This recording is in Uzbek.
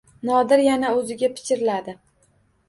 Nodir yana o‘ziga pichirladi